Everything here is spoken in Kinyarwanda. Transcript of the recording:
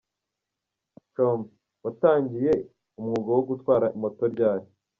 com : Watangiye umwuga wo gutwara moto ryari ?.